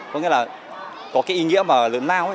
có nghĩa là có cái ý nghĩa mà lớn lao